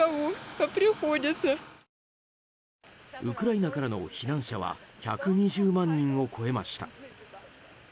ウクライナからの避難者は１２０万人を超えました。